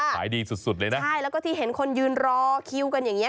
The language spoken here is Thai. ขายดีสุดสุดเลยนะใช่แล้วก็ที่เห็นคนยืนรอคิวกันอย่างเงี้